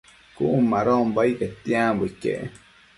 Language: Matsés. Cun madonbo ai quetianbo iquec